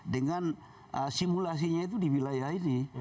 dengan simulasinya itu di wilayah ini